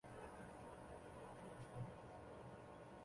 苏小小死后葬于西湖西泠桥畔。